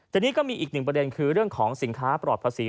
ทีนี้ก็มีอีกหนึ่งประเด็นคือเรื่องของสินค้าปลอดภาษี